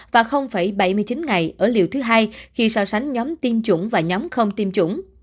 và bảy mươi chín ngày ở liều thứ hai khi so sánh nhóm tiêm chủng và nhóm không tiêm chủng